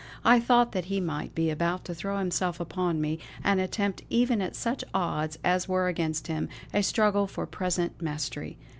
I thought that he might be about to throw himself upon me, and attempt even at such odds as were against him, a struggle for present mastery.